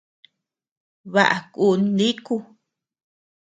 Baʼa kun niku.